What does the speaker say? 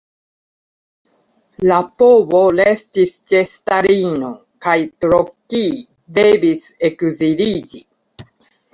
La povo restis ĉe Stalino, kaj Trockij devis ekziliĝi.